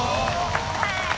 はい。